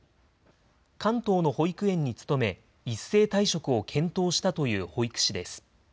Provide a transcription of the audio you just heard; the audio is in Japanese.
関東の保育園に勤め、一斉退職を検討したという保育士です。